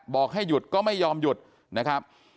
บอกให้หยุดก็ไม่ยอมหยุดนะครับ